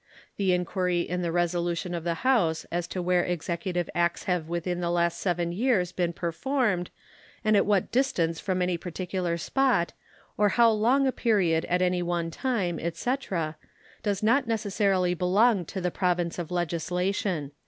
The inquiry in the resolution of the House as to where executive acts have within the last seven years been performed and at what distance from any particular spot or for how long a period at any one time, etc., does not necessarily belong to the province of legislation.